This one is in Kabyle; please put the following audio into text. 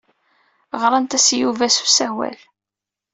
Ɣrant-as i Yuba s usawal.